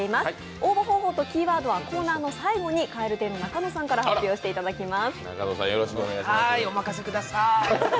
応募方法とキーワードはコーナーの最後に蛙亭の中野さんから発表していただきます。